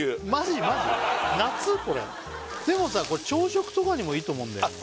これでもさこれ朝食とかにもいいと思うんだよね